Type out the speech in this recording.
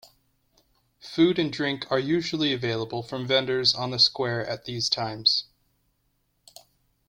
Food and drink are usually available from vendors on the square at these times.